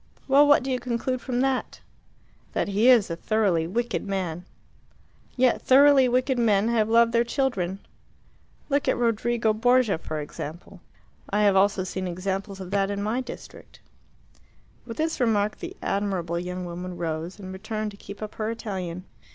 "Well, what do you conclude from that?" "That he is a thoroughly wicked man." "Yet thoroughly wicked men have loved their children. Look at Rodrigo Borgia, for example." "I have also seen examples of that in my district." With this remark the admirable young woman rose, and returned to keep up her Italian.